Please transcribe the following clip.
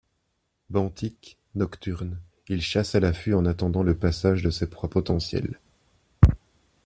Benthique, nocturne, il chasse à l'affût en attendant le passage de ses proies potentielles.